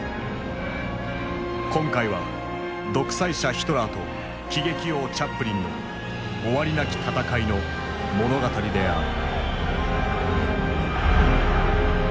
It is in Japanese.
今回は独裁者ヒトラーと喜劇王チャップリンの終わりなき闘いの物語である。